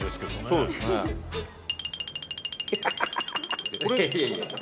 そうですね。